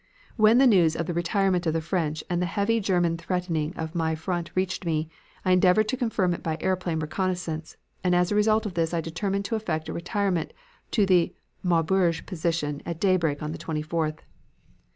"When the news of the retirement of the French and the heavy German threatening on my front reached me, I endeavored to confirm it by airplane reconnoissance; and as a result of this I determined to effect a retirement to the Maubeuge position at daybreak on the 24th.